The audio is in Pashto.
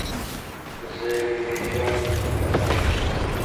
زه یې مړی ژاړم دوی راپورې خاندي